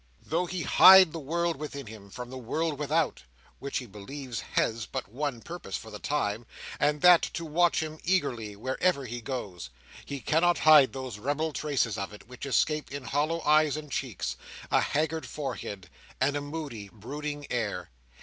Though he hide the world within him from the world without—which he believes has but one purpose for the time, and that, to watch him eagerly wherever he goes—he cannot hide those rebel traces of it, which escape in hollow eyes and cheeks, a haggard forehead, and a moody, brooding air.